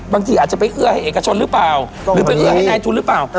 บางทีอาจจะไปเอื้อให้เอกชนหรือเปล่าหรือไปเอื้อให้นายทุนหรือเปล่า